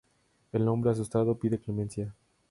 El hombre, asustado, pide clemencia.